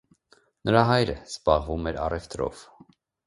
Նրա հայրը զբաղվում էր առևտրով։